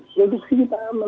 produksi kita aman